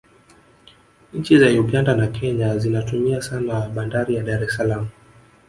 nchi za uganda na kenya zinatumia sana bandar ya dar es salaam